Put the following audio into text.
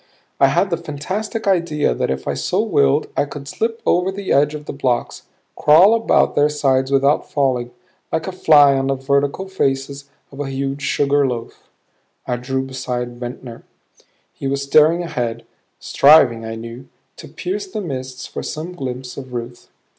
I had the fantastic idea that if I so willed I could slip over the edge of the blocks, crawl about their sides without falling like a fly on the vertical faces of a huge sugar loaf. I drew beside Ventnor. He was staring ahead, striving, I knew, to pierce the mists for some glimpse of Ruth.